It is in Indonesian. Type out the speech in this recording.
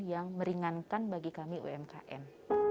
yang meringankan bagi kami umkm